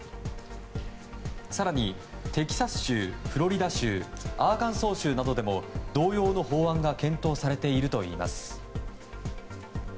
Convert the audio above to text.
更にテキサス州、フロリダ州アーカンソー州などでも同様の法案が検討されているといいます。